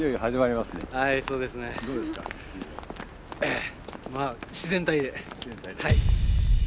まあ自然体で。